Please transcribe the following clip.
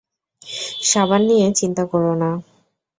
সাবান নিয়ে চিন্তা করো না।